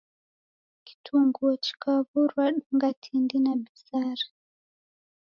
Kitunguo chikaw'urwa dunga tindi na bizari.